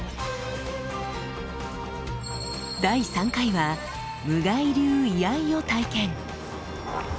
第３回は無外流居合を体験。